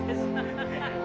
ハハハハ。